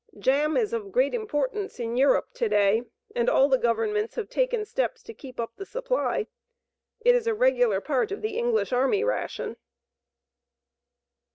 Jam is of great importance in Europe to day and all the Governments have taken steps to keep up the supply. It is a regular part of the English army ration.